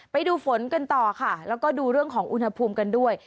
ไปดูฝนกันต่อค่ะแล้วก็ดูเรื่องของอุณหภูมิกันด้วย